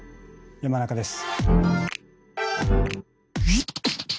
山中です。